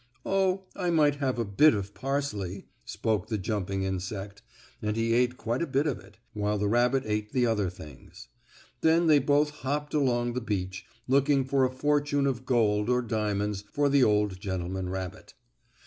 "Oh, I might have a bit of parsley," spoke the jumping insect, and he ate quite a bit of it, while the rabbit ate the other things. Then they both hopped along the beach, looking for a fortune of gold or diamonds for the old gentleman rabbit.